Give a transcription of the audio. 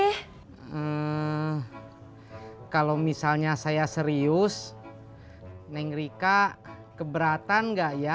hmm kalau misalnya saya serius neng rika keberatan nggak ya